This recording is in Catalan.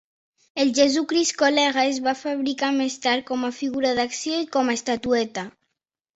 El Jesucrist Col·lega es va fabricar més tard com a figura d'acció i com a estatueta.